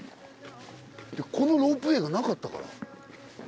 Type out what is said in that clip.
このロープウエーがなかったから。